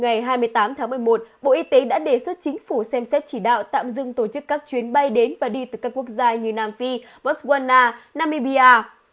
ngày hai mươi tám tháng một mươi một bộ y tế đã đề xuất chính phủ xem xét chỉ đạo tạm dừng tổ chức các chuyến bay đến và đi từ các quốc gia như nam phi bot barswana namibia